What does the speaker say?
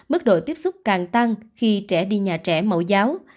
mức độ tiếp xúc càng tăng khi trẻ đi nhà trẻ mẫu giáo